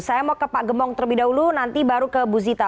saya mau ke pak gembong terlebih dahulu nanti baru ke bu zita